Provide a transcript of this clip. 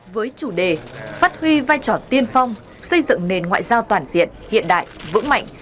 với chủ đề phát huy vai trò tiên phong xây dựng nền ngoại giao toàn diện hiện đại vững mạnh